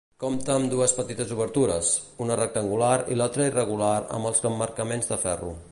Compta amb dues petites obertures, una rectangular i l'altra irregular amb els emmarcaments de ferro.